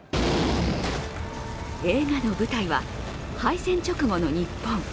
映画の舞台は敗戦直後の日本。